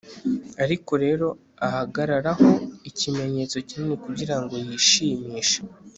ariko rero ahagararaho ikimenyetso kinini kugirango yishimishe